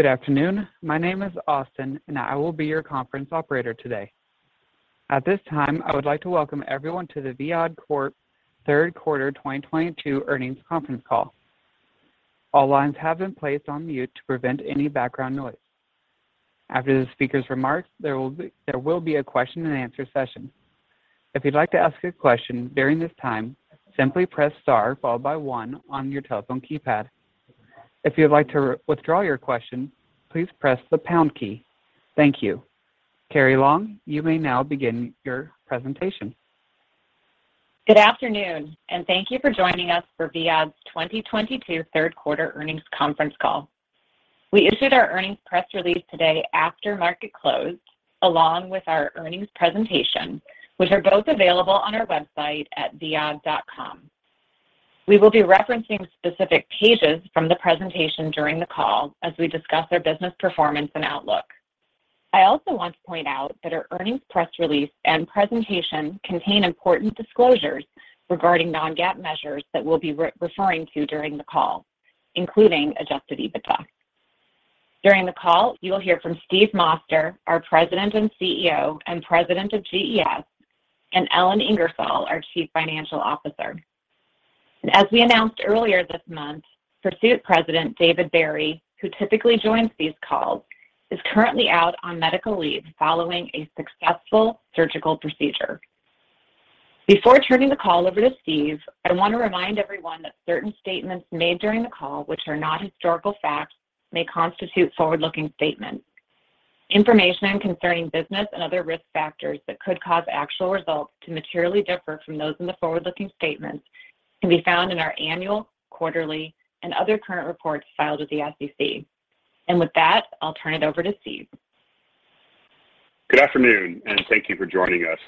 Good afternoon. My name is Austin, and I will be your conference operator today. At this time, I would like to welcome everyone to the Viad Corp third quarter 2022 earnings conference call. All lines have been placed on mute to prevent any background noise. After the speaker's remarks, there will be a question and answer session. If you'd like to ask a question during this time, simply press star followed by one on your telephone keypad. If you'd like to withdraw your question, please press the pound key. Thank you. Carrie Long, you may now begin your presentation. Good afternoon, and thank you for joining us for Viad's 2022 third quarter earnings conference call. We issued our earnings press release today after market closed, along with our earnings presentation, which are both available on our website at viad.com. We will be referencing specific pages from the presentation during the call as we discuss our business performance and outlook. I also want to point out that our earnings, press release, and presentation contain important disclosures regarding non-GAAP measures that we'll be re-referring to during the call, including adjusted EBITDA. During the call, you will hear from Steve Moster, our President and CEO, and President of GES, and Ellen Ingersoll, our Chief Financial Officer. As we announced earlier this month, Pursuit President David Barry, who typically joins these calls, is currently out on medical leave following a successful surgical procedure. Before turning the call over to Steve, I want to remind everyone that certain statements made during the call, which are not historical facts, may constitute forward-looking statements. Information concerning business and other risk factors that could cause actual results to materially differ from those in the forward-looking statements can be found in our annual, quarterly, and other current reports filed with the SEC. With that, I'll turn it over to Steve. Good afternoon, and thank you for joining us.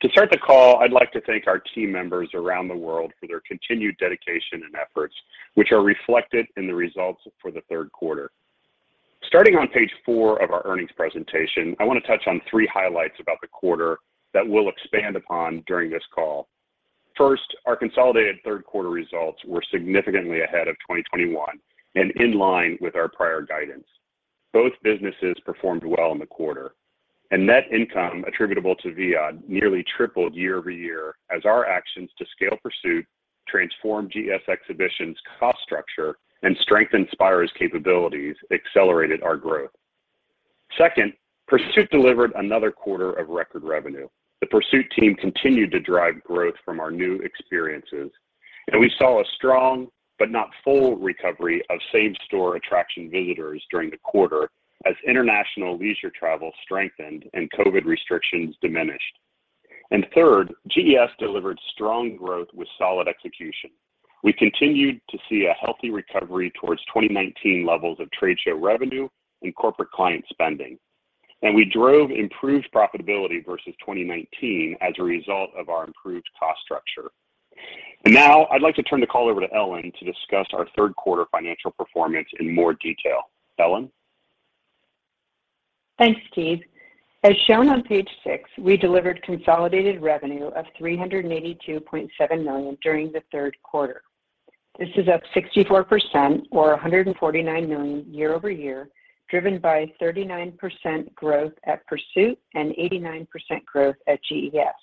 To start the call, I'd like to thank our team members around the world for their continued dedication and efforts, which are reflected in the results for the third quarter. Starting on page four of our earnings presentation, I want to touch on three highlights about the quarter that we'll expand upon during this call. First, our consolidated third quarter results were significantly ahead of 2021 and in line with our prior guidance. Both businesses performed well in the quarter. Net income attributable to Viad nearly tripled year-over-year as our actions to scale Pursuit transformed GES Exhibition's cost structure and strengthened Spiro's capabilities accelerated our growth. Second, Pursuit delivered another quarter of record revenue. The Pursuit team continued to drive growth from our new experiences, and we saw a strong but not full recovery of same-store attraction visitors during the quarter as international leisure travel strengthened and COVID restrictions diminished. Third, GES delivered strong growth with solid execution. We continued to see a healthy recovery towards 2019 levels of trade show revenue and corporate client spending. We drove improved profitability versus 2019 as a result of our improved cost structure. Now I'd like to turn the call over to Ellen to discuss our third quarter financial performance in more detail. Ellen. Thanks, Steve. As shown on page six, we delivered consolidated revenue of $382.7 million during the third quarter. This is up 64% or $149 million year-over-year, driven by 39% growth at Pursuit and 89% growth at GES.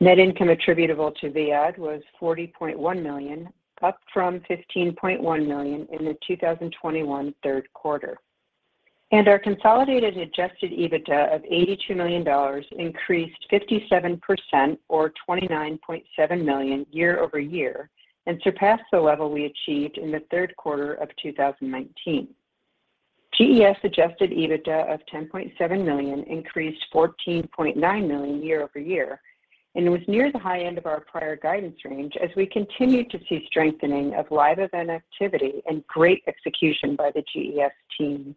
Net income attributable to Viad was $40.1 million, up from $15.1 million in the 2021 third quarter. Our consolidated adjusted EBITDA of $82 million increased 57% or $29.7 million year-over-year and surpassed the level we achieved in the third quarter of 2019. GES Adjusted EBITDA of $10.7 million increased $14.9 million year-over-year and was near the high end of our prior guidance range as we continued to see strengthening of live event activity and great execution by the GES team.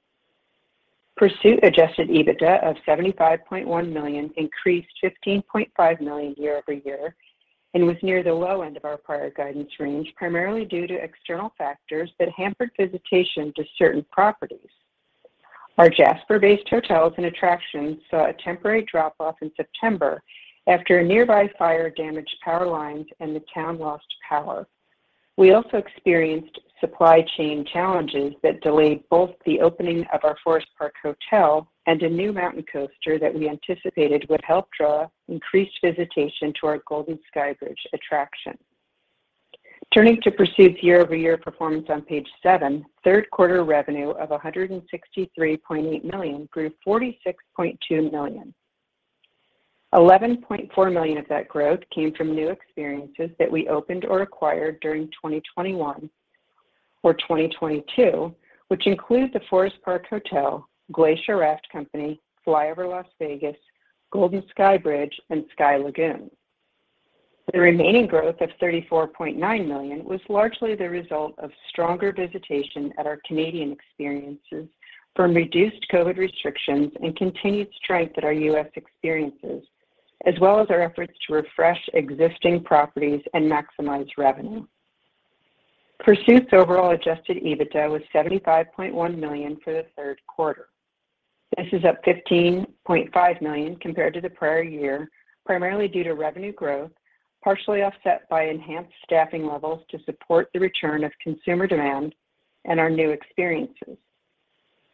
Pursuit Adjusted EBITDA of $75.1 million increased $15.5 million year-over-year and was near the low end of our prior guidance range, primarily due to external factors that hampered visitation to certain properties. Our Jasper-based hotels and attractions saw a temporary drop-off in September after a nearby fire damaged power lines and the town lost power. We also experienced supply chain challenges that delayed both the opening of our Forest Park Hotel and a new mountain coaster that we anticipated would help draw increased visitation to our Golden Skybridge attraction. Turning to Pursuit's year-over-year performance on page seven, third quarter revenue of $163.8 million grew $46.2 million. $11.4 million of that growth came from new experiences that we opened or acquired during 2021 or 2022, which include the Forest Park Hotel, Glacier Raft Company, FlyOver Las Vegas, Golden Skybridge, and Sky Lagoon. The remaining growth of $34.9 million was largely the result of stronger visitation at our Canadian experiences from reduced COVID restrictions and continued strength at our U.S. experiences, as well as our efforts to refresh existing properties and maximize revenue. Pursuit's overall adjusted EBITDA was $75.1 million for the third quarter. This is up $15.5 million compared to the prior year, primarily due to revenue growth, partially offset by enhanced staffing levels to support the return of consumer demand and our new experiences.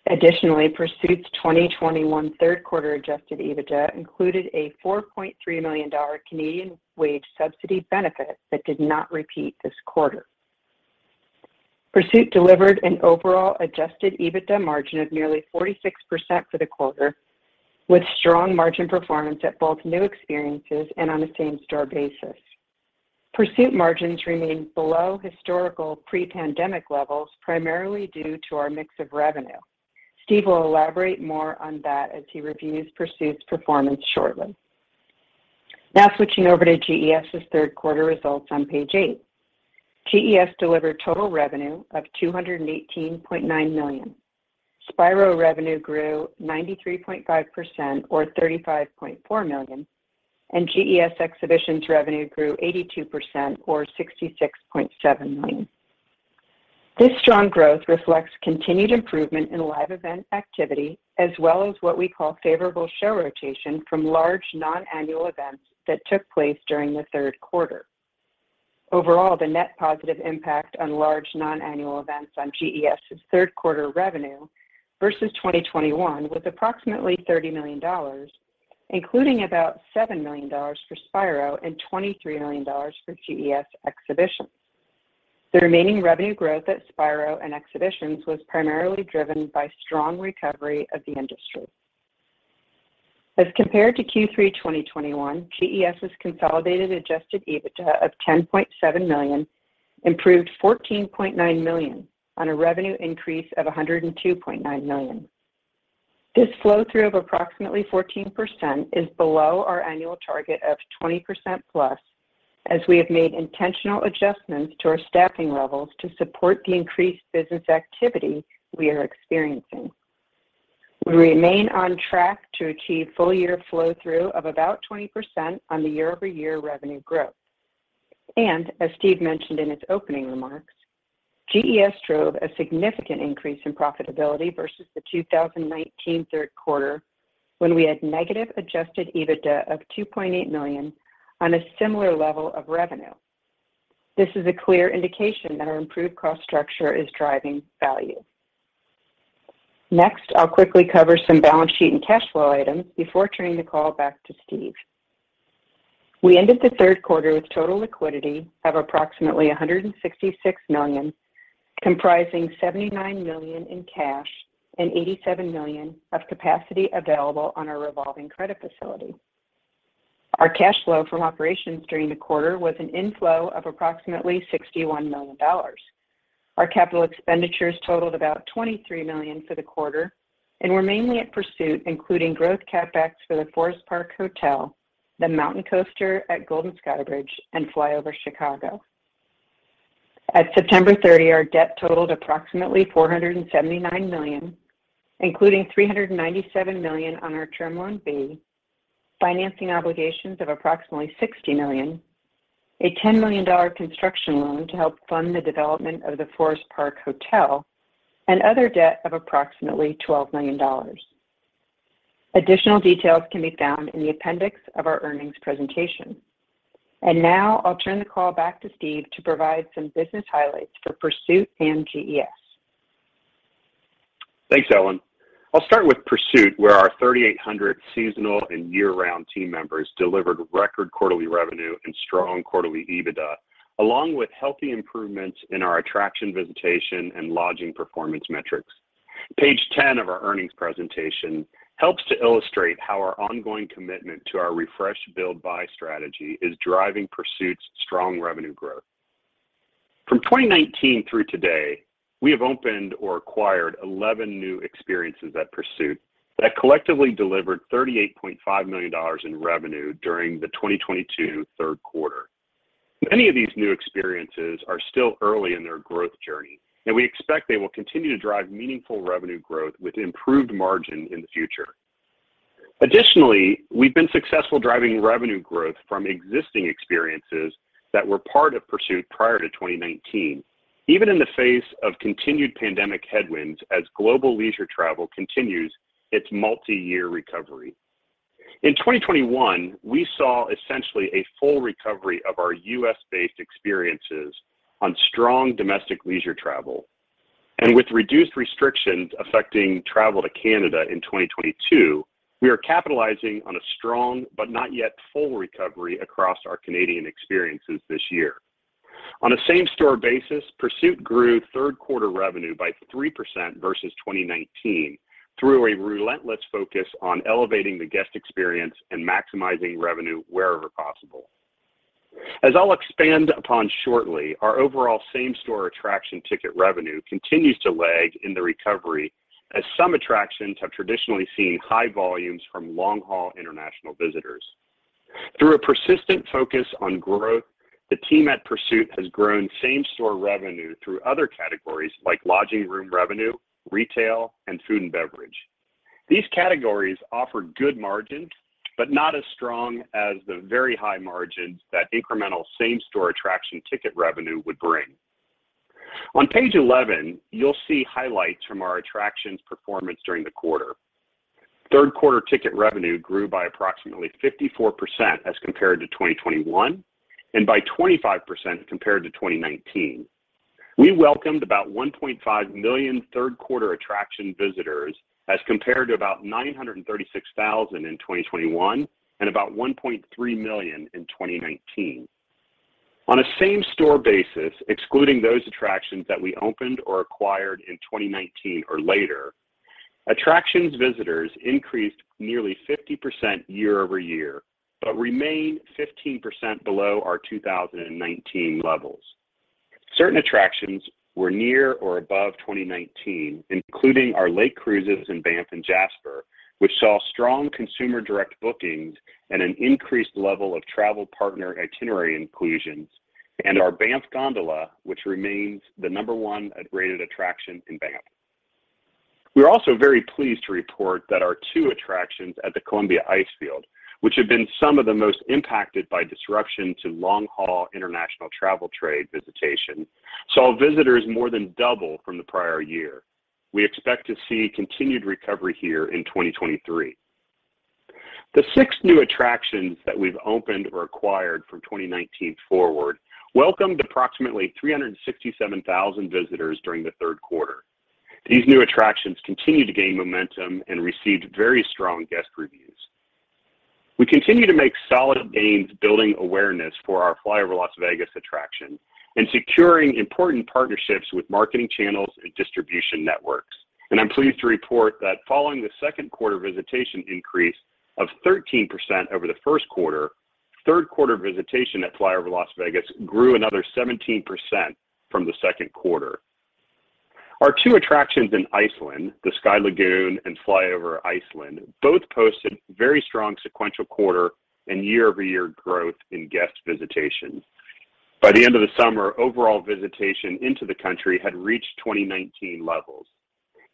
Additionally, Pursuit's 2021 third quarter adjusted EBITDA included a $4.3 million Canadian wage subsidy benefit that did not repeat this quarter. Pursuit delivered an overall adjusted EBITDA margin of nearly 46% for the quarter, with strong margin performance at both new experiences and on a same-store basis. Pursuit margins remain below historical pre-pandemic levels, primarily due to our mix of revenue. Steve will elaborate more on that as he reviews Pursuit's performance shortly. Now switching over to GES's third quarter results on page eight. GES delivered total revenue of $218.9 million. Spiro revenue grew 93.5%, or $35.4 million, and GES Exhibitions revenue grew 82%, or $66.7 million. This strong growth reflects continued improvement in live event activity, as well as what we call favorable show rotation from large non-annual events that took place during the third quarter. Overall, the net positive impact on large non-annual events on GES's third quarter revenue versus 2021 was approximately $30 million, including about $7 million for Spiro and $23 million for GES Exhibitions. The remaining revenue growth at Spiro and Exhibitions was primarily driven by strong recovery of the industry. As compared to Q3 2021, GES's consolidated Adjusted EBITDA of $10.7 million improved $14.9 million on a revenue increase of $102.9 million. This flow-through of approximately 14% is below our annual target of 20%+, as we have made intentional adjustments to our staffing levels to support the increased business activity we are experiencing. We remain on track to achieve full-year flow-through of about 20% on the year-over-year revenue growth. As Steve mentioned in his opening remarks, GES drove a significant increase in profitability versus the 2019 third quarter when we had negative adjusted EBITDA of $2.8 million on a similar level of revenue. This is a clear indication that our improved cost structure is driving value. Next, I'll quickly cover some balance sheet and cash flow items before turning the call back to Steve. We ended the third quarter with total liquidity of approximately $166 million, comprising $79 million in cash and $87 million of capacity available on our revolving credit facility. Our cash flow from operations during the quarter was an inflow of approximately $61 million. Our capital expenditures totaled about $23 million for the quarter and were mainly at Pursuit, including growth CapEx for the Forest Park Hotel, the Mountain Coaster at Golden Skybridge, and FlyOver Chicago. At September 30th, our debt totaled approximately $479 million, including $397 million on our Term Loan B, financing obligations of approximately $60 million, a $10 million construction loan to help fund the development of the Forest Park Hotel, and other debt of approximately $12 million. Additional details can be found in the appendix of our earnings presentation. Now I'll turn the call back to Steve to provide some business highlights for Pursuit and GES. Thanks, Ellen. I'll start with Pursuit, where our 3,800 seasonal and year-round team members delivered record quarterly revenue and strong quarterly EBITDA, along with healthy improvements in our attraction visitation and lodging performance metrics. Page 10 of our earnings presentation helps to illustrate how our ongoing commitment to our refresh, build, buy strategy is driving Pursuit's strong revenue growth. From 2019 through today, we have opened or acquired 11 new experiences at Pursuit that collectively delivered $38.5 million in revenue during the 2022 third quarter. Many of these new experiences are still early in their growth journey, and we expect they will continue to drive meaningful revenue growth with improved margin in the future. Additionally, we've been successful driving revenue growth from existing experiences that were part of Pursuit prior to 2019, even in the face of continued pandemic headwinds as global leisure travel continues its multi-year recovery. In 2021, we saw essentially a full recovery of our U.S.-based experiences on strong domestic leisure travel. With reduced restrictions affecting travel to Canada in 2022, we are capitalizing on a strong but not yet full recovery across our Canadian experiences this year. On a same-store basis, Pursuit grew third quarter revenue by 3% versus 2019 through a relentless focus on elevating the guest experience and maximizing revenue wherever possible. As I'll expand upon shortly, our overall same-store attraction ticket revenue continues to lag in the recovery as some attractions have traditionally seen high volumes from long-haul international visitors. Through a persistent focus on growth, the team at Pursuit has grown same-store revenue through other categories like lodging room revenue, retail, and food and beverage. These categories offer good margins, but not as strong as the very high margins that incremental same-store attraction ticket revenue would bring. On page eleven, you'll see highlights from our attractions performance during the quarter. Third quarter ticket revenue grew by approximately 54% as compared to 2021, and by 25% compared to 2019. We welcomed about 1.5 million third quarter attraction visitors as compared to about 936,000 in 2021, and about 1.3 million in 2019. On a same-store basis, excluding those attractions that we opened or acquired in 2019 or later, attractions visitors increased nearly 50% year-over-year but remain 15% below our 2019 levels. Certain attractions were near or above 2019, including our lake cruises in Banff and Jasper, which saw strong consumer direct bookings and an increased level of travel partner itinerary inclusions, and our Banff Gondola, which remains the number one rated attraction in Banff. We are also very pleased to report that our two attractions at the Columbia Icefield, which have been some of the most impacted by disruption to long-haul international travel trade visitation, saw visitors more than double from the prior year. We expect to see continued recovery here in 2023. The six new attractions that we've opened or acquired from 2019 forward welcomed approximately 367,000 visitors during the third quarter. These new attractions continue to gain momentum and received very strong guest reviews. We continue to make solid gains building awareness for our FlyOver Las Vegas attraction and securing important partnerships with marketing channels and distribution networks. I'm pleased to report that following the second quarter visitation increase of 13% over the first quarter, third quarter visitation at FlyOver Las Vegas grew another 17% from the second quarter. Our two attractions in Iceland, the Sky Lagoon and FlyOver Iceland, both posted very strong sequential quarter and year-over-year growth in guest visitation. By the end of the summer, overall visitation into the country had reached 2019 levels.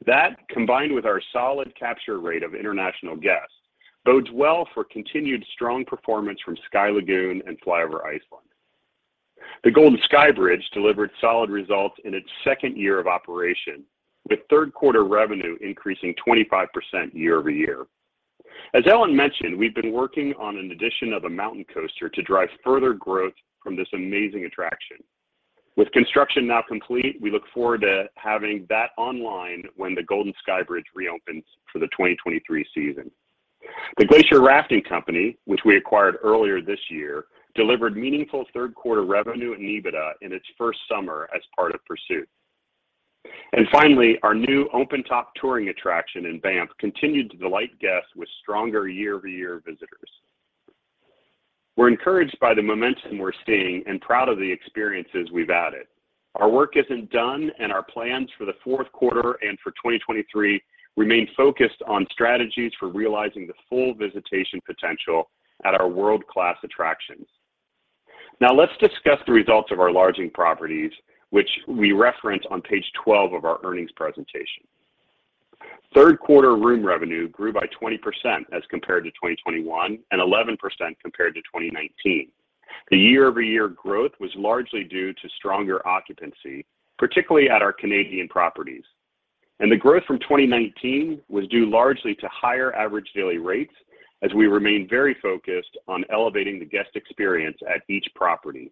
That, combined with our solid capture rate of international guests, bodes well for continued strong performance from Sky Lagoon and FlyOver Iceland. The Golden Skybridge delivered solid results in its second year of operation, with third quarter revenue increasing 25% year-over-year. As Ellen mentioned, we've been working on an addition of a mountain coaster to drive further growth from this amazing attraction. With construction now complete, we look forward to having that online when the Golden Skybridge reopens for the 2023 season. The Glacier Raft Company, which we acquired earlier this year, delivered meaningful third quarter revenue and EBITDA in its first summer as part of Pursuit. Finally, our new open-top touring attraction in Banff continued to delight guests with stronger year-over-year visitors. We're encouraged by the momentum we're seeing and proud of the experiences we've added. Our work isn't done, and our plans for the fourth quarter and for 2023 remain focused on strategies for realizing the full visitation potential at our world-class attractions. Now let's discuss the results of our lodging properties, which we reference on page 12 of our earnings presentation. Third quarter room revenue grew by 20% as compared to 2021 and 11% compared to 2019. The year-over-year growth was largely due to stronger occupancy, particularly at our Canadian properties. The growth from 2019 was due largely to higher average daily rates as we remain very focused on elevating the guest experience at each property.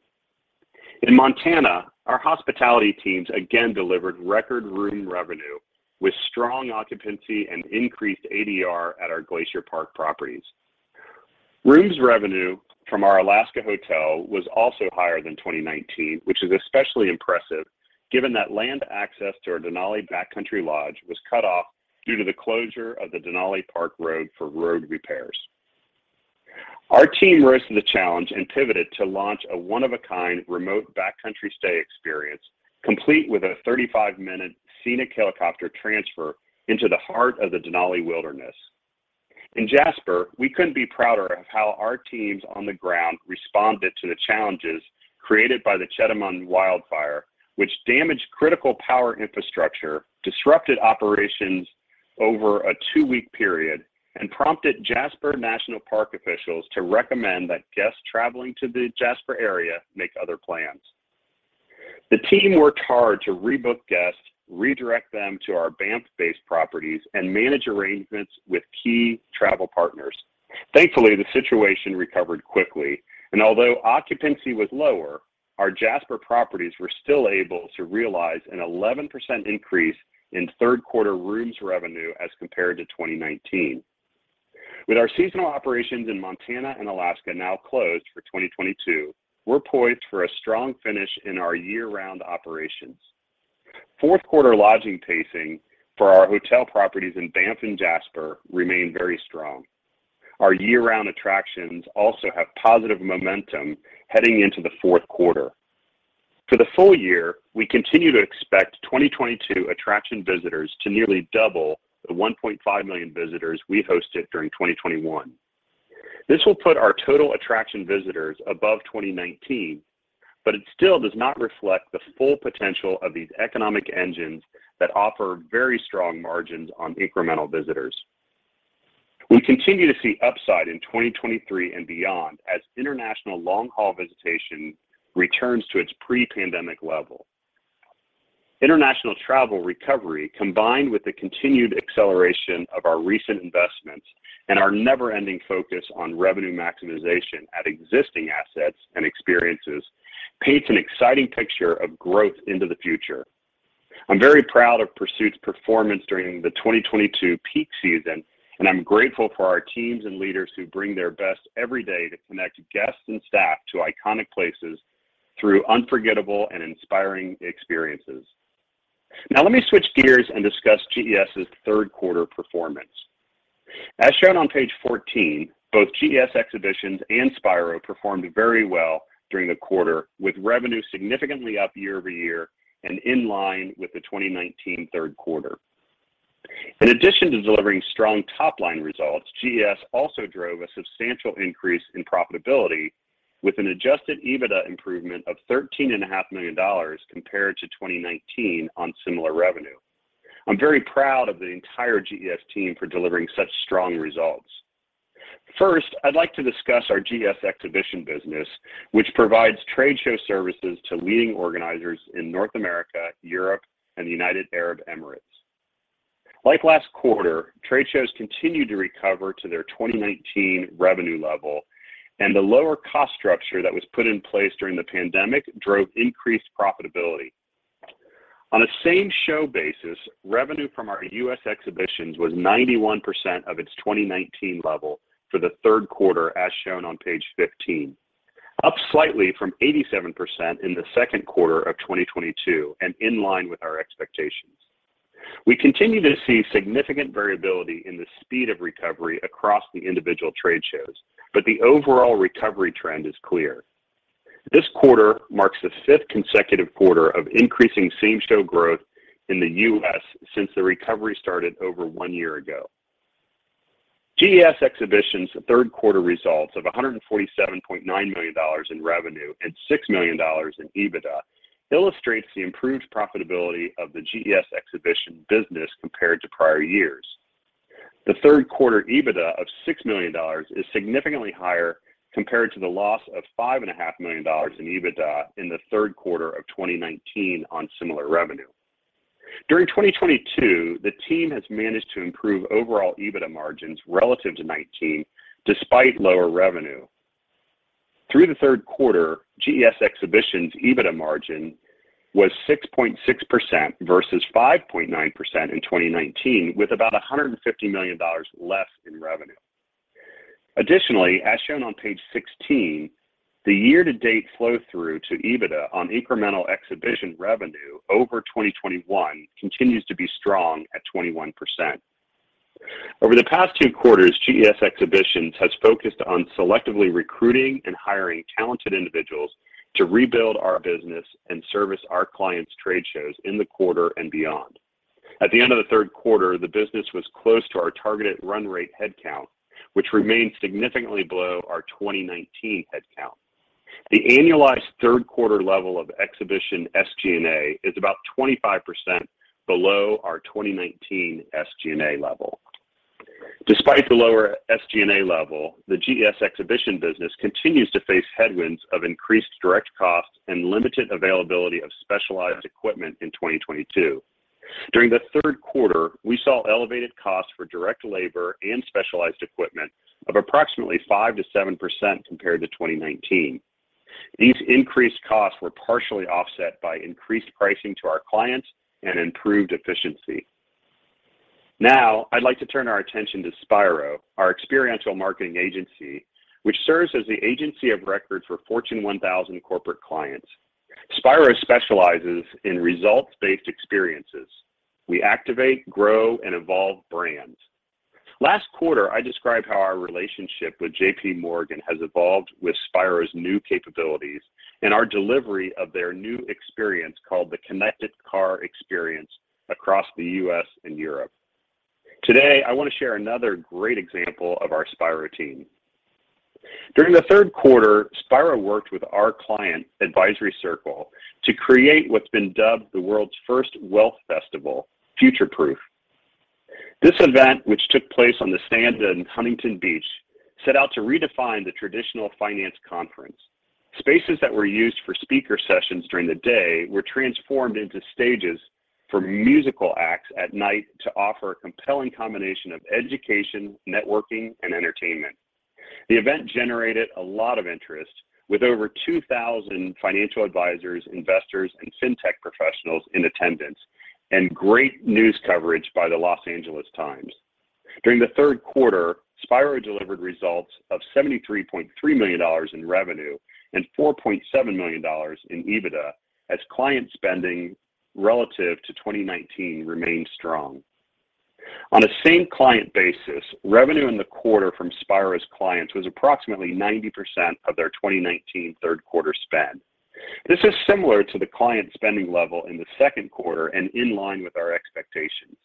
In Montana, our hospitality teams again delivered record room revenue with strong occupancy and increased ADR at our Glacier Park properties. Rooms revenue from our Alaska hotel was also higher than 2019, which is especially impressive given that land access to our Denali Backcountry Lodge was cut off due to the closure of the Denali Park Road for road repairs. Our team rose to the challenge and pivoted to launch a one-of-a-kind remote backcountry stay experience complete with a 35-minute scenic helicopter transfer into the heart of the Denali wilderness. In Jasper, we couldn't be prouder of how our teams on the ground responded to the challenges created by the Chetamon wildfire, which damaged critical power infrastructure, disrupted operations over a two week period, and prompted Jasper National Park officials to recommend that guests traveling to the Jasper area make other plans. The team worked hard to rebook guests, redirect them to our Banff-based properties, and manage arrangements with key travel partners. Thankfully, the situation recovered quickly, and although occupancy was lower, our Jasper properties were still able to realize an 11% increase in third quarter rooms revenue as compared to 2019. With our seasonal operations in Montana and Alaska now closed for 2022, we're poised for a strong finish in our year-round operations. Fourth quarter lodging pacing for our hotel properties in Banff and Jasper remain very strong. Our year-round attractions also have positive momentum heading into the fourth quarter. For the full year, we continue to expect 2022 attraction visitors to nearly double the 1.5 million visitors we hosted during 2021. This will put our total attraction visitors above 2019, but it still does not reflect the full potential of these economic engines that offer very strong margins on incremental visitors. We continue to see upside in 2023 and beyond as international long-haul visitation returns to its pre-pandemic level. International travel recovery, combined with the continued acceleration of our recent investments and our never-ending focus on revenue maximization at existing assets and experiences, paints an exciting picture of growth into the future. I'm very proud of Pursuit's performance during the 2022 peak season, and I'm grateful for our teams and leaders who bring their best every day to connect guests and staff to iconic places through unforgettable and inspiring experiences. Now let me switch gears and discuss GES's third quarter performance. As shown on page 14, both GES Exhibitions and Spiro performed very well during the quarter, with revenue significantly up year-over-year and in line with the 2019 third quarter. In addition to delivering strong top-line results, GES also drove a substantial increase in profitability with an adjusted EBITDA improvement of $13.5 million compared to 2019 on similar revenue. I'm very proud of the entire GES team for delivering such strong results. First, I'd like to discuss our GES Exhibition business, which provides trade show services to leading organizers in North America, Europe and the United Arab Emirates. Like last quarter, trade shows continued to recover to their 2019 revenue level, and the lower cost structure that was put in place during the pandemic drove increased profitability. On a same-show basis, revenue from our U.S. exhibitions was 91% of its 2019 level for the third quarter, as shown on page 15, up slightly from 87% in the second quarter of 2022 and in line with our expectations. We continue to see significant variability in the speed of recovery across the individual trade shows, but the overall recovery trend is clear. This quarter marks the 5th consecutive quarter of increasing same-show growth in the U.S. since the recovery started over one year ago. GES Exhibitions third quarter results of $147.9 million in revenue and $6 million in EBITDA illustrates the improved profitability of the GES Exhibition business compared to prior years. The third quarter EBITDA of $6 million is significantly higher compared to the loss of $5.5 million in EBITDA in the third quarter of 2019 on similar revenue. During 2022, the team has managed to improve overall EBITDA margins relative to 2019 despite lower revenue. Through the third quarter, GES Exhibitions EBITDA margin was 6.6% versus 5.9% in 2019, with about $150 million less in revenue. Additionally, as shown on page 16, the year-to-date flow-through to EBITDA on incremental exhibition revenue over 2021 continues to be strong at 21%. Over the past two quarters, GES Exhibitions has focused on selectively recruiting and hiring talented individuals to rebuild our business and service our clients' trade shows in the quarter and beyond. At the end of the third quarter, the business was close to our targeted run rate headcount, which remains significantly below our 2019 headcount. The annualized third quarter level of exhibition SG&A is about 25% below our 2019 SG&A level. Despite the lower SG&A level, the GES Exhibition business continues to face headwinds of increased direct costs and limited availability of specialized equipment in 2022. During the third quarter, we saw elevated costs for direct labor and specialized equipment of approximately 5%-7% compared to 2019. These increased costs were partially offset by increased pricing to our clients and improved efficiency. Now, I'd like to turn our attention to Spiro, our experiential marketing agency, which serves as the agency of record for Fortune 1000 corporate clients. Spiro specializes in results-based experiences. We activate, grow and evolve brands. Last quarter, I described how our relationship with JP Morgan has evolved with Spiro's new capabilities and our delivery of their new experience, called the Connected Car Experience across the U.S. and Europe. Today, I want to share another great example of our Spiro team. During the third quarter, Spiro worked with our client, Advisor Circle, to create what's been dubbed the world's first wealth festival, Future Proof. This event, which took place on the sand in Huntington Beach, set out to redefine the traditional finance conference. Spaces that were used for speaker sessions during the day were transformed into stages for musical acts at night to offer a compelling combination of education, networking and entertainment. The event generated a lot of interest, with over 2,000 financial advisors, investors and fintech professionals in attendance, and great news coverage by the Los Angeles Times. During the third quarter, Spiro delivered results of $73.3 million in revenue and $4.7 million in EBITDA as client spending relative to 2019 remained strong. On a same client basis, revenue in the quarter from Spiro's clients was approximately 90% of their 2019 third quarter spend. This is similar to the client spending level in the second quarter and in line with our expectations.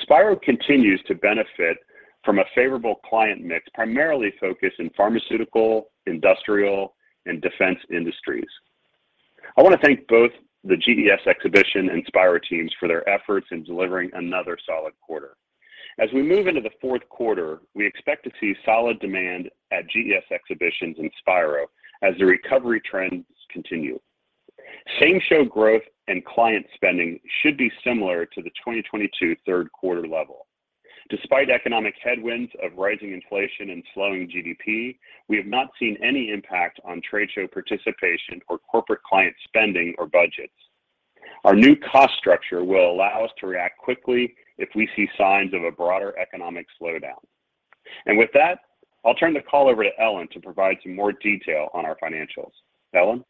Spiro continues to benefit from a favorable client mix, primarily focused in pharmaceutical, industrial and defense industries. I wanna thank both the GES Exhibitions and Spiro teams for their efforts in delivering another solid quarter. As we move into the fourth quarter, we expect to see solid demand at GES Exhibitions and Spiro as the recovery trends continue. Same-show growth and client spending should be similar to the 2022 third quarter level. Despite economic headwinds of rising inflation and slowing GDP, we have not seen any impact on trade show participation or corporate client spending or budgets. Our new cost structure will allow us to react quickly if we see signs of a broader economic slowdown. With that, I'll turn the call over to Ellen Ingersoll to provide some more detail on our financials. Ellen?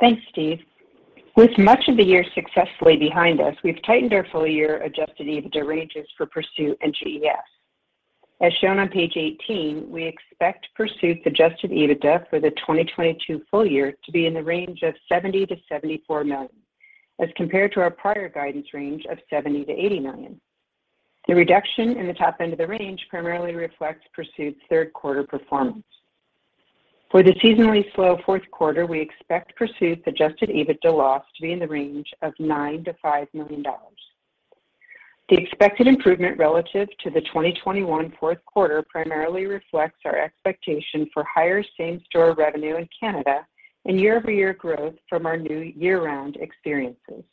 Thanks, Steve. With much of the year successfully behind us, we've tightened our full year Adjusted EBITDA ranges for Pursuit and GES. As shown on page 18, we expect Pursuit's Adjusted EBITDA for the 2022 full year to be in the range of $70 million-$74 million, as compared to our prior guidance range of $70 million-$80 million. The reduction in the top end of the range primarily reflects Pursuit's third quarter performance. For the seasonally slow fourth quarter, we expect Pursuit's Adjusted EBITDA loss to be in the range of $5 million-$9 million. The expected improvement relative to the 2021 fourth quarter primarily reflects our expectation for higher same-store revenue in Canada and year-over-year growth from our new year-round experiences.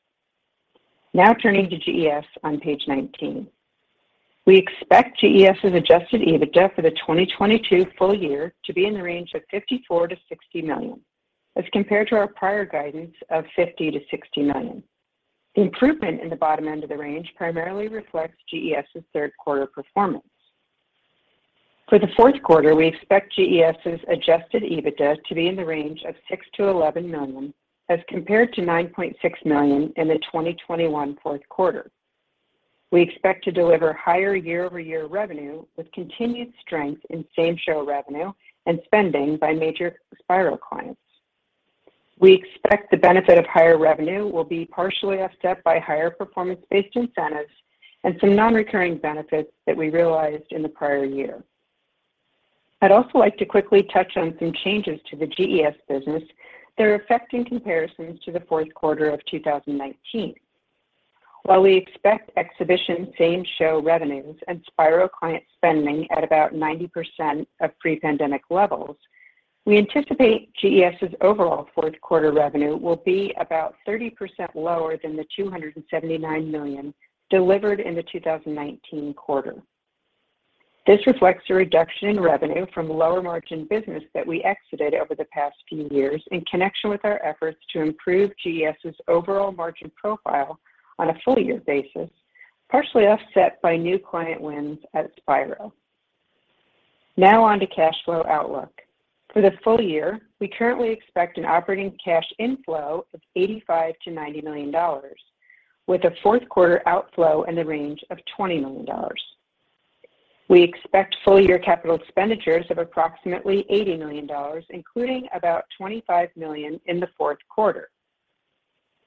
Now turning to GES on page 19. We expect GES's Adjusted EBITDA for the 2022 full year to be in the range of $54 million-$60 million, as compared to our prior guidance of $50 million-$60 million. The improvement in the bottom end of the range primarily reflects GES's third quarter performance. For the fourth quarter, we expect GES's Adjusted EBITDA to be in the range of $6 million-$11 million as compared to $9.6 million in the 2021 fourth quarter. We expect to deliver higher year-over-year revenue with continued strength in same-show revenue and spending by major Spiro clients. We expect the benefit of higher revenue will be partially offset by higher performance-based incentives and some non-recurring benefits that we realized in the prior year. I'd also like to quickly touch on some changes to the GES business that are affecting comparisons to the fourth quarter of 2019. While we expect exhibition same-show revenues and Spiro client spending at about 90% of pre-pandemic levels, we anticipate GES's overall fourth quarter revenue will be about 30% lower than the $279 million delivered in the 2019 quarter. This reflects a reduction in revenue from lower margin business that we exited over the past few years in connection with our efforts to improve GES's overall margin profile on a full year basis, partially offset by new client wins at Spiro. Now on to cash flow outlook. For the full year, we currently expect an operating cash inflow of $85 million-$90 million with a fourth quarter outflow in the range of $20 million. We expect full year capital expenditures of approximately $80 million, including about $25 million in the fourth quarter.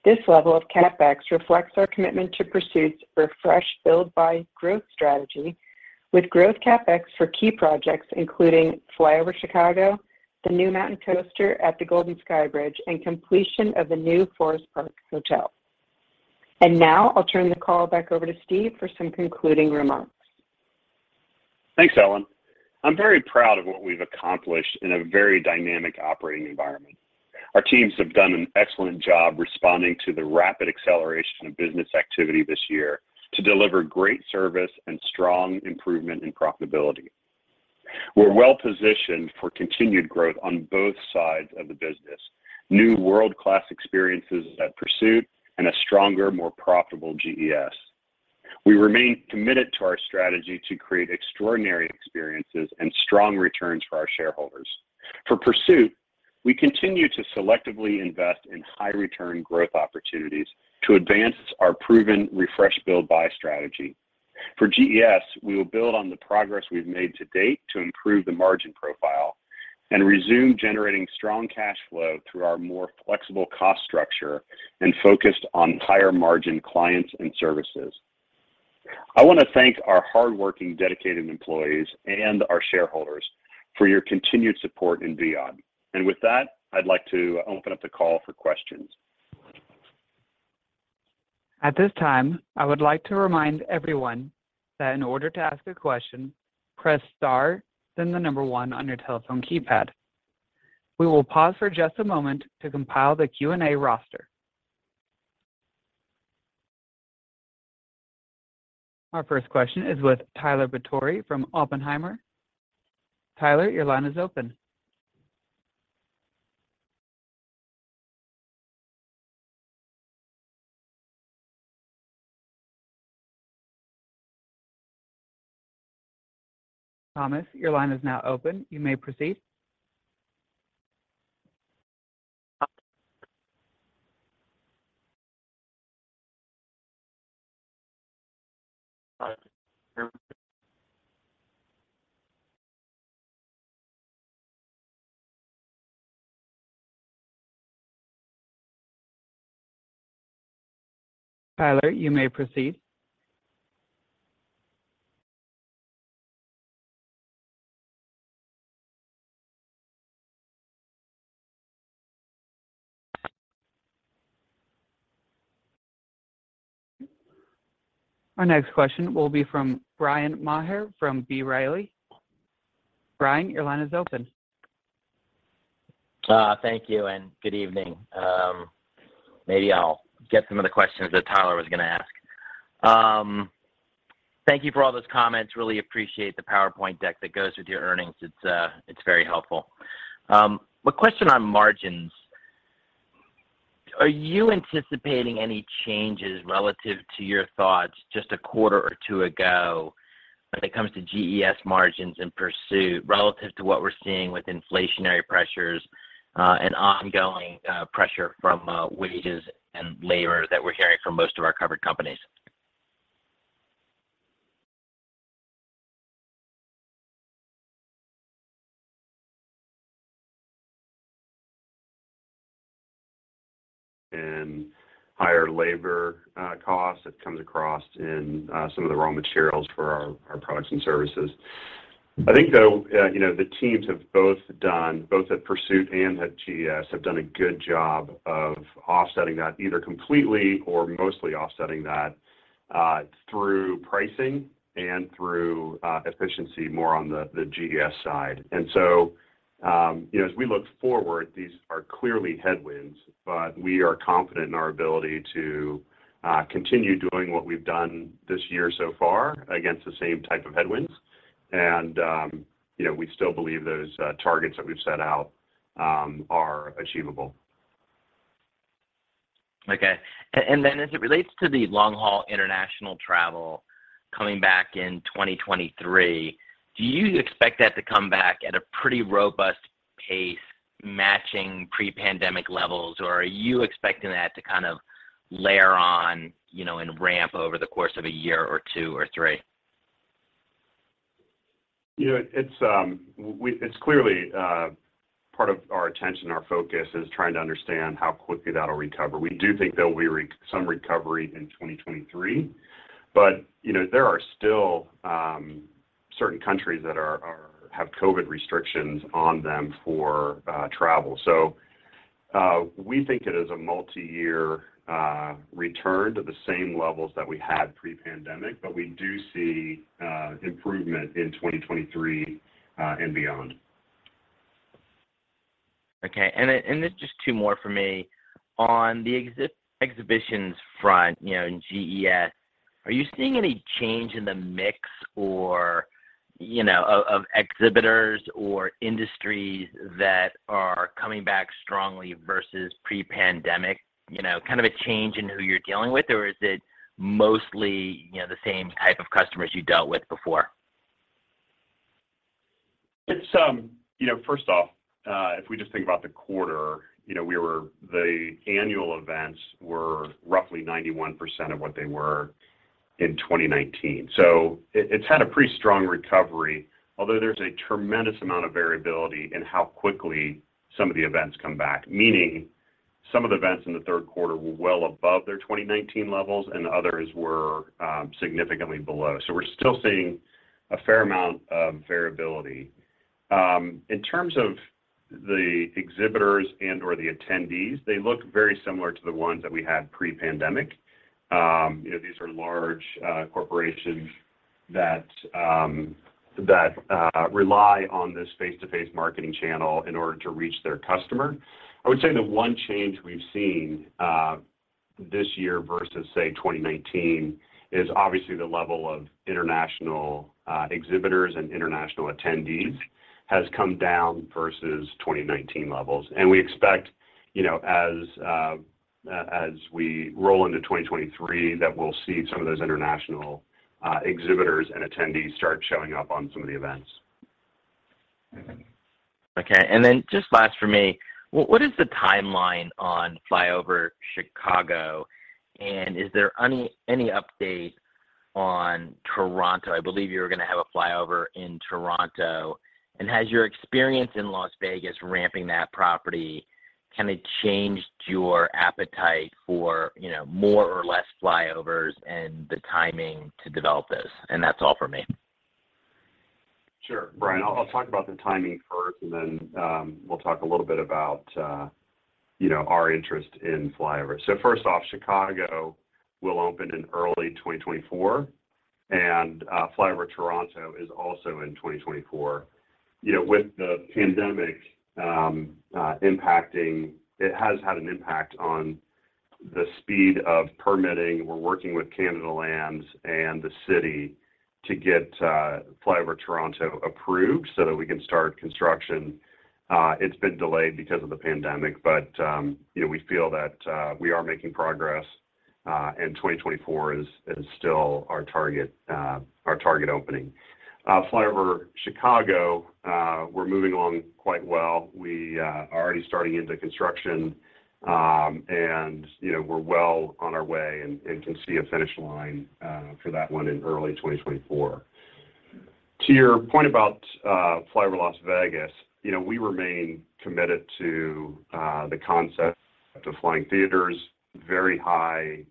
This level of CapEx reflects our commitment to Pursuit's refresh, build, buy growth strategy with growth CapEx for key projects, including FlyOver Chicago, the new Railrider Mountain Coaster at the Golden Skybridge, and completion of the new Forest Park Hotel. Now I'll turn the call back over to Steve for some concluding remarks. Thanks, Ellen. I'm very proud of what we've accomplished in a very dynamic operating environment. Our teams have done an excellent job responding to the rapid acceleration of business activity this year to deliver great service and strong improvement in profitability. We're well-positioned for continued growth on both sides of the business. New world-class experiences at Pursuit and a stronger, more profitable GES. We remain committed to our strategy to create extraordinary experiences and strong returns for our shareholders. For Pursuit, we continue to selectively invest in high return growth opportunities to advance our proven refresh, build, buy strategy. For GES, we will build on the progress we've made to date to improve the margin profile and resume generating strong cash flow through our more flexible cost structure and focused on higher margin clients and services. I wanna thank our hardworking, dedicated employees and our shareholders for your continued support and beyond. With that, I'd like to open up the call for questions. At this time, I would like to remind everyone that in order to ask a question, press star, then the number one on your telephone keypad. We will pause for just a moment to compile the Q&A roster. Our first question is with Tyler Batory from Oppenheimer. Tyler, your line is open. Thomas, your line is now open. You may proceed. Tyler, you may proceed. Our next question will be from Bryan Maher from B. Riley. Bryan, your line is open. Thank you and good evening. Maybe I'll get some of the questions that Tyler was gonna ask. Thank you for all those comments. Really appreciate the PowerPoint deck that goes with your earnings. It's very helpful. Question on margins. Are you anticipating any changes relative to your thoughts just a quarter or two ago when it comes to GES margins in Pursuit relative to what we're seeing with inflationary pressures, and ongoing pressure from wages and labor that we're hearing from most of our covered companies? Higher labor costs that comes across in some of the raw materials for our products and services. I think, though, you know, the teams both at Pursuit and at GES have done a good job of offsetting that either completely or mostly through pricing and through efficiency more on the GES side. You know, as we look forward, these are clearly headwinds, but we are confident in our ability to continue doing what we've done this year so far against the same type of headwinds. You know, we still believe those targets that we've set out are achievable. Okay. As it relates to the long-haul international travel coming back in 2023, do you expect that to come back at a pretty robust pace matching pre-pandemic levels? Or are you expecting that to kind of layer on, you know, and ramp over the course of a year or two or three? You know, it's clearly part of our attention. Our focus is trying to understand how quickly that'll recover. We do think there will be some recovery in 2023, but you know, there are still certain countries that have COVID restrictions on them for travel. We think it is a multiyear return to the same levels that we had pre-pandemic, but we do see improvement in 2023 and beyond. Okay, there's just two more from me. On the exhibitions front, you know, in GES, are you seeing any change in the mix or, you know, of exhibitors or industries that are coming back strongly versus pre-pandemic? You know, kind of a change in who you're dealing with, or is it mostly, you know, the same type of customers you dealt with before? You know, first off, if we just think about the quarter, you know, the annual events were roughly 91% of what they were in 2019. It's had a pretty strong recovery, although there's a tremendous amount of variability in how quickly some of the events come back, meaning some of the events in the third quarter were well above their 2019 levels, and others were significantly below. We're still seeing a fair amount of variability. In terms of the exhibitors and/or the attendees, they look very similar to the ones that we had pre-pandemic. You know, these are large corporations that rely on this face-to-face marketing channel in order to reach their customer. I would say the one change we've seen this year versus, say, 2019 is obviously the level of international exhibitors and international attendees has come down versus 2019 levels. We expect, you know, as we roll into 2023, that we'll see some of those international exhibitors and attendees start showing up on some of the events. Okay. Just last for me, what is the timeline on FlyOver Chicago? And is there any update on Toronto? I believe you were gonna have a FlyOver Toronto. And has your experience in Las Vegas ramping that property, kind of changed your appetite for, you know, more or less FlyOvers and the timing to develop those? And that's all for me. Sure. Bryan, I'll talk about the timing first, and then we'll talk a little bit about, you know, our interest in FlyOver. First off, Chicago will open in early 2024, and FlyOver Toronto is also in 2024. You know, with the pandemic impacting. It has had an impact on the speed of permitting. We're working with Canada Lands and the city to get FlyOver Toronto approved so that we can start construction. It's been delayed because of the pandemic, but you know, we feel that we are making progress, and 2024 is still our target opening. FlyOver Chicago, we're moving along quite well. We are already starting into construction, and, you know, we're well on our way and can see a finish line for that one in early 2024. To your point about FlyOver Las Vegas, you know, we remain committed to the concept of flying theaters, very high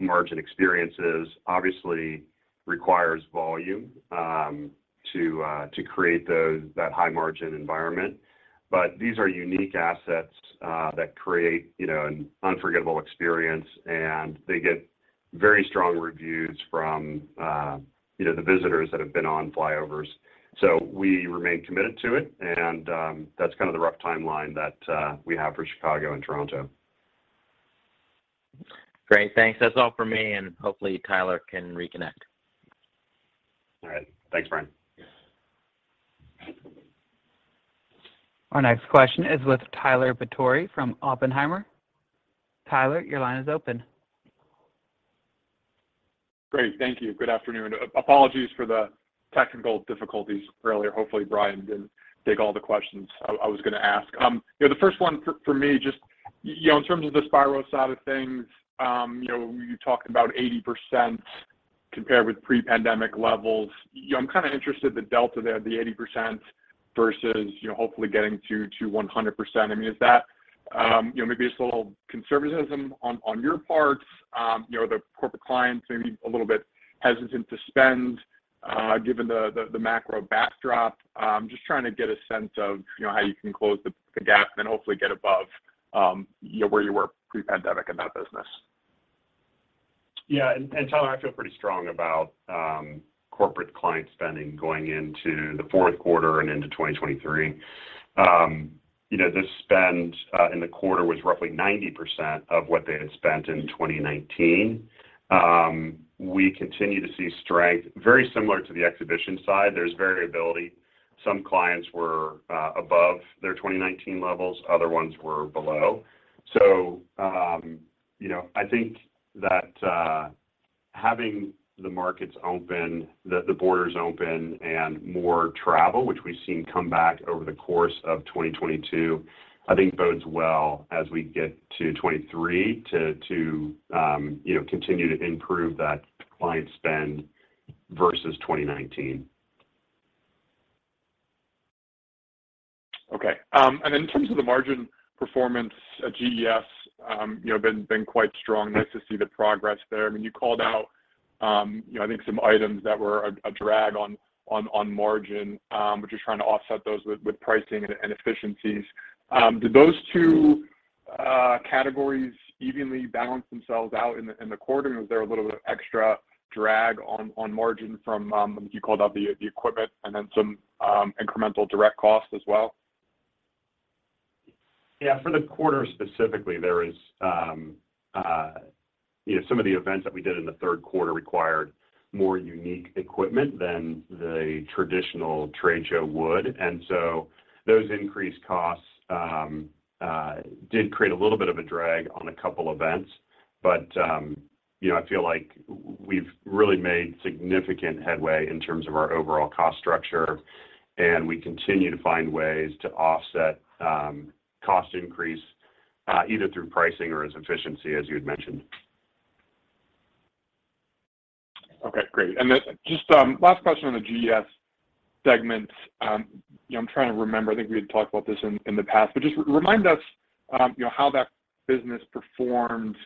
margin experiences obviously require volume to create that high margin environment. These are unique assets that create, you know, an unforgettable experience, and they get very strong reviews from, you know, the visitors that have been on FlyOvers. We remain committed to it and, that's kind of the rough timeline that we have for Chicago and Toronto. Great. Thanks. That's all for me, and hopefully Tyler can reconnect. All right. Thanks, Bryan. Our next question is with Tyler Batory from Oppenheimer. Tyler, your line is open. Great. Thank you. Good afternoon. Apologies for the technical difficulties earlier. Hopefully, Bryan didn't take all the questions I was gonna ask. You know, the first one for me just, you know, in terms of the Spiro side of things, you know, you talked about 80% compared with pre-pandemic levels. You know, I'm kind of interested in the delta there, the 80% versus, you know, hopefully getting to 100%. I mean, is that, you know, maybe it's a little conservatism on your part? You know, the corporate clients may be a little bit hesitant to spend, given the macro backdrop. Just trying to get a sense of, you know, how you can close the gap and hopefully get above, you know, where you were pre-pandemic in that business. Yeah, Tyler, I feel pretty strong about corporate client spending going into the fourth quarter and into 2023. You know, the spend in the quarter was roughly 90% of what they had spent in 2019. We continue to see strength very similar to the exhibition side. There's variability. Some clients were above their 2019 levels, other ones were below. You know, I think that having the markets open, the borders open and more travel, which we've seen come back over the course of 2022, I think bodes well as we get to 2023 to continue to improve that client spend versus 2019. Okay. In terms of the margin performance at GES, you know, been quite strong. Nice to see the progress there. I mean, you called out, you know, I think some items that were a drag on margin, but you're trying to offset those with pricing and efficiencies. Did those two categories evenly balance themselves out in the quarter, or was there a little bit of extra drag on margin from, you called out the equipment and then some incremental direct costs as well? Yeah. For the quarter specifically, there is, you know, some of the events that we did in the third quarter required more unique equipment than the traditional trade show would. Those increased costs did create a little bit of a drag on a couple events. I feel like we've really made significant headway in terms of our overall cost structure, and we continue to find ways to offset cost increase either through pricing or efficiency, as you had mentioned. Okay, great. Just last question on the GES segment. You know, I'm trying to remember, I think we had talked about this in the past, but just remind us, you know, how that business performed,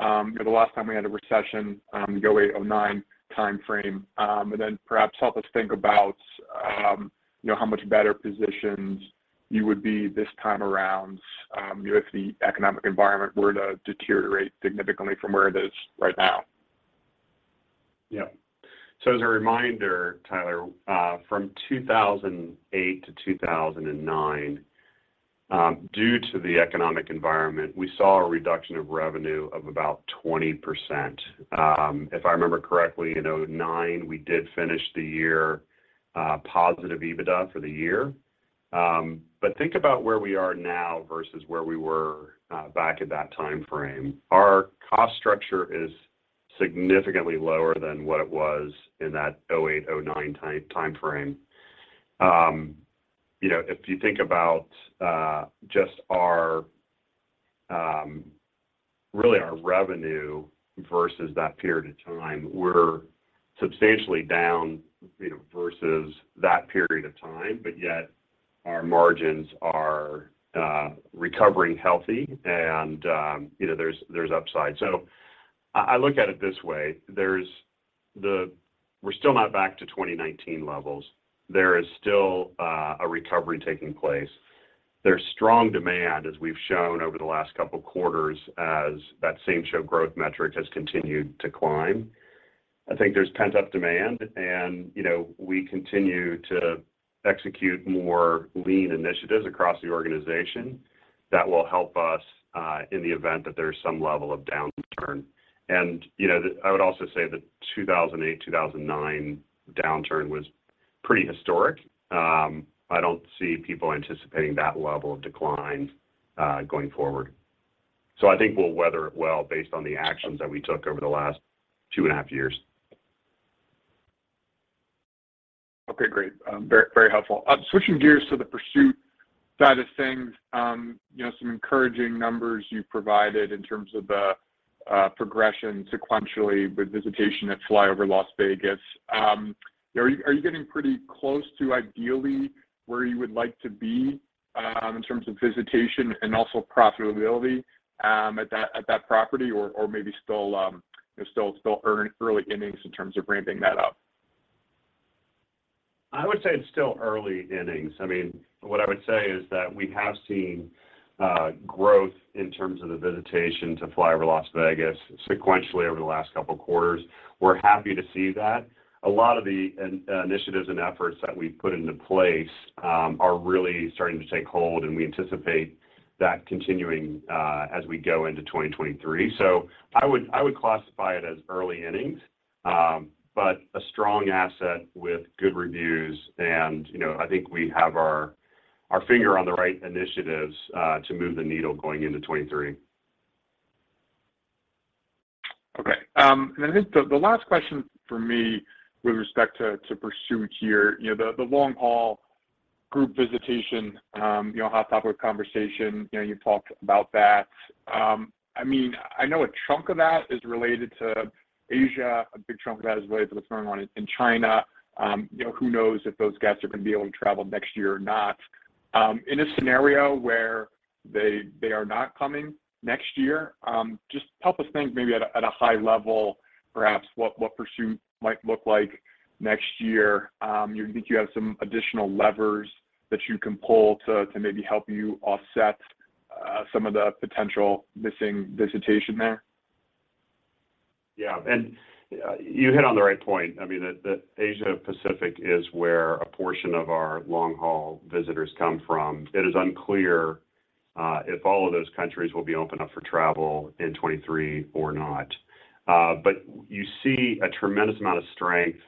you know, the last time we had a recession, the 2008, 2009 timeframe. Perhaps help us think about, you know, how much better positioned you would be this time around, you know, if the economic environment were to deteriorate significantly from where it is right now. Yeah. As a reminder, Tyler, from 2008-2009, due to the economic environment, we saw a reduction of revenue of about 20%. If I remember correctly, in 2009, we did finish the year positive EBITDA for the year. But think about where we are now versus where we were back at that timeframe. Our cost structure is significantly lower than what it was in that 2008, 2009 timeframe. You know, if you think about just our really our revenue versus that period of time, we're substantially down, you know, versus that period of time, but yet our margins are recovering healthy and, you know, there's upside. I look at it this way, we're still not back to 2019 levels. There is still a recovery taking place. There's strong demand, as we've shown over the last couple quarters as that same-show growth metric has continued to climb. I think there's pent-up demand and, you know, we continue to execute more lean initiatives across the organization that will help us in the event that there's some level of downturn. I would also say the 2008, 2009 downturn was pretty historic. I don't see people anticipating that level of decline going forward. I think we'll weather it well based on the actions that we took over the last two and half years. Okay, great. Very, very helpful. Switching gears to the Pursuit side of things, you know, some encouraging numbers you provided in terms of the progression sequentially with visitation at FlyOver Las Vegas. You know, are you getting pretty close to ideally where you would like to be in terms of visitation and also profitability at that property or maybe still, you know, still early innings in terms of ramping that up? I would say it's still early innings. I mean, what I would say is that we have seen growth in terms of the visitation to FlyOver Las Vegas sequentially over the last couple quarters. We're happy to see that. A lot of the initiatives and efforts that we've put into place are really starting to take hold, and we anticipate that continuing as we go into 2023. I would classify it as early innings, but a strong asset with good reviews and, you know, I think we have our finger on the right initiatives to move the needle going into 2023. Okay. I think the last question from me with respect to Pursuit here, you know, the long-haul group visitation, you know, hot topic conversation, you know, you talked about that. I mean, I know a chunk of that is related to Asia. A big chunk of that is related to the turnaround in China. You know, who knows if those guests are gonna be able to travel next year or not. In a scenario where they are not coming next year, just help us think maybe at a high level perhaps what Pursuit might look like next year. You think you have some additional levers that you can pull to maybe help you offset some of the potential missing visitation there? You hit on the right point. I mean, Asia-Pacific is where a portion of our long-haul visitors come from. It is unclear if all of those countries will be opening up for travel in 2023 or not. But you see a tremendous amount of strength.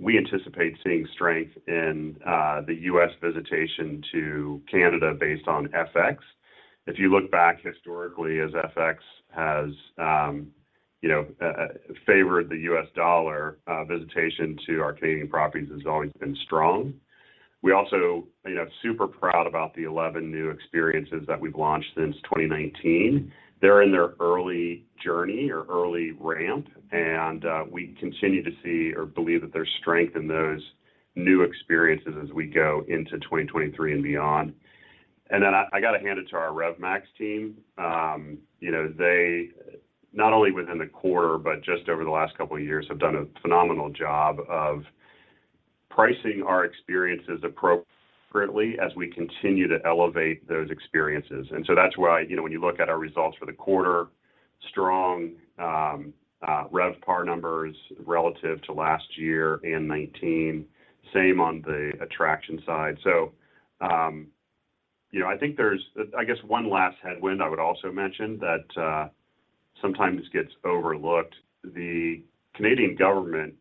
We anticipate seeing strength in the U.S. visitation to Canada based on FX. If you look back historically as FX has favored the U.S. dollar, visitation to our Canadian properties has always been strong. We also super proud about the 11 new experiences that we've launched since 2019. They're in their early journey or early ramp, and we continue to see or believe that there's strength in those new experiences as we go into 2023 and beyond. I got to hand it to our RevMax team. You know, they not only within the quarter, but just over the last couple of years, have done a phenomenal job of pricing our experiences appropriately as we continue to elevate those experiences. That's why, you know, when you look at our results for the quarter, strong RevPAR numbers relative to last year and 2019. Same on the attraction side. I think there's one last headwind I would also mention that sometimes gets overlooked. The Canadian government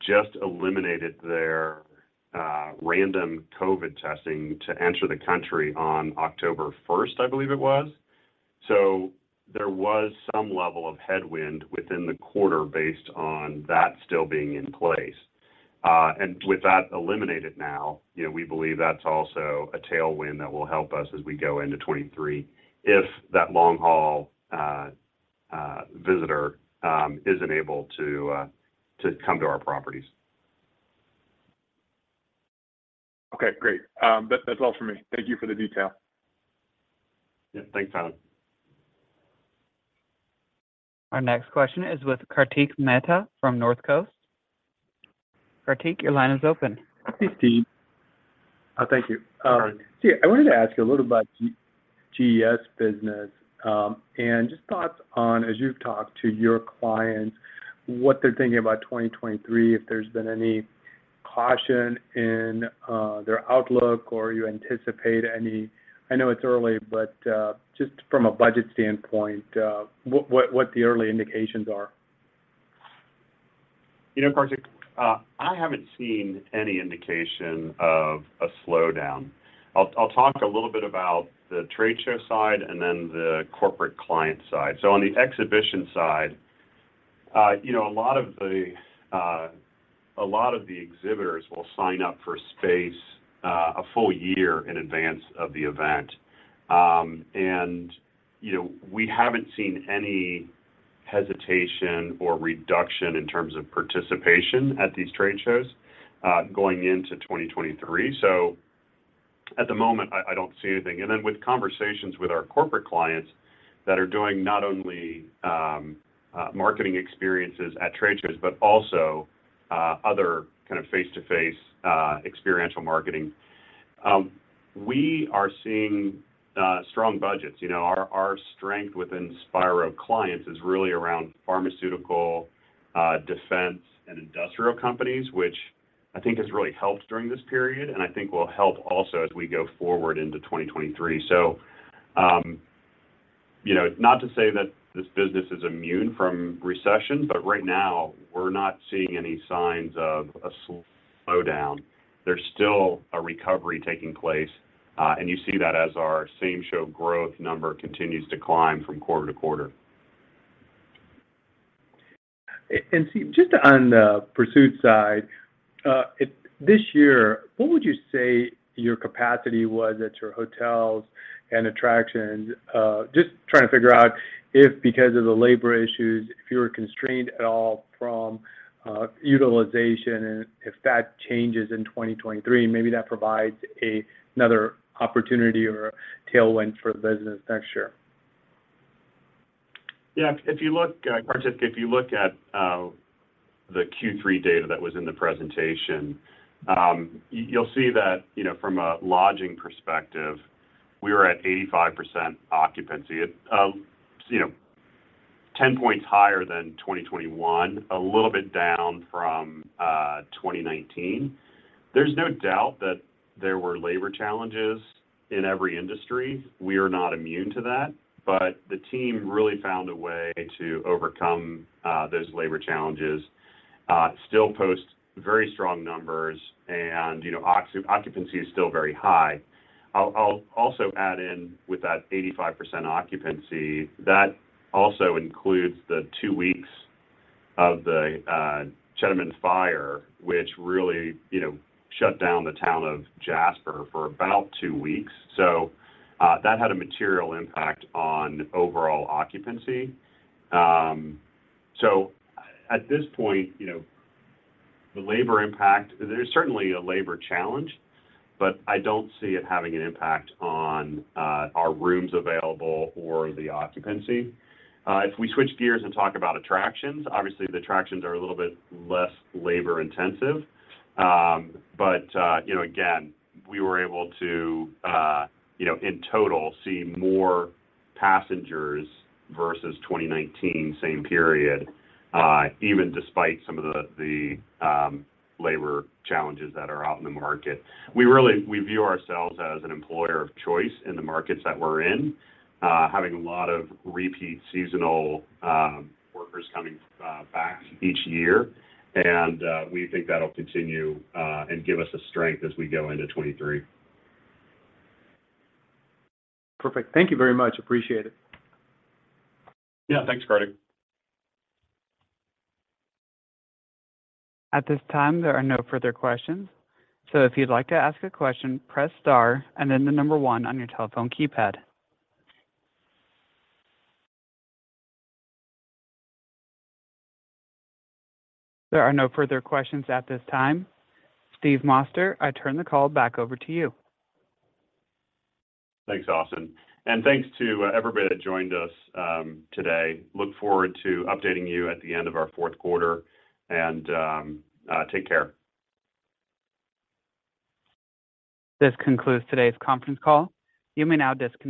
just eliminated their random COVID testing to enter the country on October first, I believe it was. There was some level of headwind within the quarter based on that still being in place. With that eliminated now, you know, we believe that's also a tailwind that will help us as we go into 2023 if that long-haul visitor isn't able to come to our properties. Okay, great. That's all for me. Thank you for the detail. Yeah. Thanks, Tyler. Our next question is with Kartik Mehta from Northcoast Research. Kartik, your line is open. Hey, Steve. Thank you. Sure. Steve, I wanted to ask you a little about GES business and just thoughts on, as you've talked to your clients, what they're thinking about 2023, if there's been any caution in their outlook or you anticipate any. I know it's early, just from a budget standpoint, what the early indications are. You know, Kartik, I haven't seen any indication of a slowdown. I'll talk a little bit about the trade show side and then the corporate client side. On the exhibition side, you know, a lot of the exhibitors will sign up for space a full year in advance of the event. You know, we haven't seen any hesitation or reduction in terms of participation at these trade shows going into 2023. At the moment, I don't see anything. With conversations with our corporate clients that are doing not only marketing experiences at trade shows, but also other kind of face-to-face experiential marketing, we are seeing strong budgets. You know, our strength within Spiro clients is really around pharmaceutical, defense and industrial companies, which I think has really helped during this period and I think will help also as we go forward into 2023. You know, not to say that this business is immune from recession, but right now we're not seeing any signs of a slowdown. There's still a recovery taking place, and you see that as our same-show growth number continues to climb from quarter to quarter. Steve, just on the Pursuit side, this year, what would you say your capacity was at your hotels and attractions? Just trying to figure out if because of the labor issues, if you were constrained at all from utilization and if that changes in 2023, and maybe that provides another opportunity or tailwind for the business next year. Yeah, if you look, Karthik, if you look at the Q3 data that was in the presentation, you'll see that, you know, from a lodging perspective, we were at 85% occupancy. It, you know, 10 points higher than 2021, a little bit down from 2019. There's no doubt that there were labor challenges in every industry. We are not immune to that, but the team really found a way to overcome those labor challenges, still post very strong numbers and, you know, occupancy is still very high. I'll also add in with that 85% occupancy, that also includes the two weeks of the Chetamon wildfire, which really, you know, shut down the town of Jasper for about two weeks. That had a material impact on overall occupancy. At this point, you know, the labor impact, there's certainly a labor challenge, but I don't see it having an impact on our rooms available or the occupancy. If we switch gears and talk about attractions, obviously the attractions are a little bit less labor-intensive. You know, again, we were able to, you know, in total see more passengers versus 2019 same period, even despite some of the labor challenges that are out in the market. We view ourselves as an employer of choice in the markets that we're in, having a lot of repeat seasonal workers coming back each year and we think that'll continue and give us a strength as we go into 2023. Perfect. Thank you very much. Appreciate it. Yeah. Thanks, Kartik. At this time, there are no further questions. If you'd like to ask a question, press star and then the number one on your telephone keypad. There are no further questions at this time. Steve Moster, I turn the call back over to you. Thanks, Austin, and thanks to everybody that joined us, today. Look forward to updating you at the end of our fourth quarter, and take care. This concludes today's conference call. You may now disconnect.